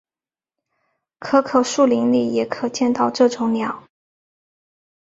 可可树林里也可见到这种鸟。